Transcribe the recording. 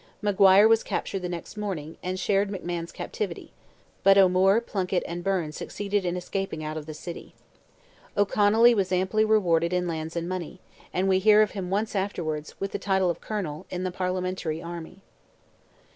Maguire was captured the next morning, and shared McMahon's captivity; but O'Moore, Plunkett, and Byrne succeeded in escaping out of the city. O'Connolly was amply rewarded in lands and money; and we hear of him once afterwards, with the title of Colonel, in the Parliamentary army.